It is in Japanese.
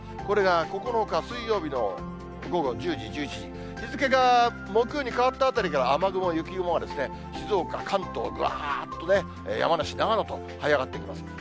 これが９日水曜日の午後１０時、１１時、日付が木曜に変わったあたりから、雨雲、雪雲がですね、静岡、関東にぐわーっとね、山梨、長野とはい上がってきます。